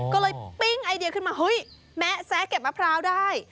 ก็เลยปิ้งไอเดียขึ้นมาเฮ้ยแมะแซะเก็บมะพร้าวได้